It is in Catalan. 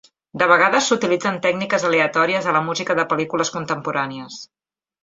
De vegades s'utilitzen tècniques aleatòries a la música de pel·lícules contemporànies.